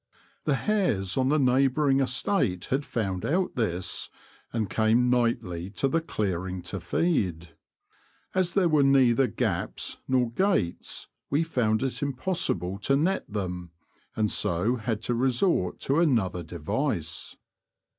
The hares on the neighbouring estate had found out this, and came nightly to the clearing to feed. As there were neither gaps nor gates we found it impossible to net them, and so had to resort to another device.